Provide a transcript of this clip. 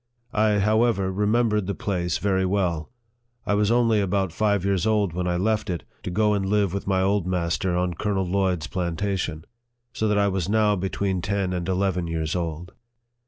I, however, remembered the place very well. I was only about five years old when I left it, to go and live with my old master on Colonel Lloyd's plantation ; so that I was now between ten and eleven years old.